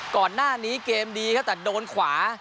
ก่อนหน้านี้เกมดีครับแต่โดนขวา